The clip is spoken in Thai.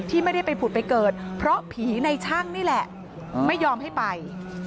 ไม่ได้ไปผุดไปเกิดเพราะผีในช่างนี่แหละไม่ยอมให้ไป